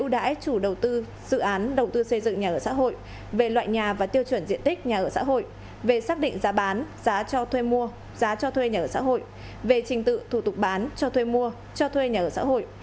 đồng tư xây dựng nhà ở xã hội về loại nhà và tiêu chuẩn diện tích nhà ở xã hội về xác định giá bán giá cho thuê mua giá cho thuê nhà ở xã hội về trình tự thủ tục bán cho thuê mua cho thuê nhà ở xã hội